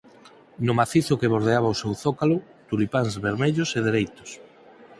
No macizo que bordeaba o seu zócolo, tulipáns vermellos e dereitos.